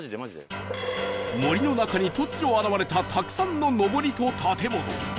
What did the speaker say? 森の中に突如現れたたくさんののぼりと建物